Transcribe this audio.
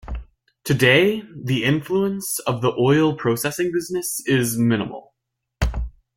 Today, the influence of the oil processing business is minimal.